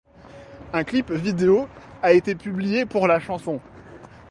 Un clip vidéo a été publiée pour la chanson.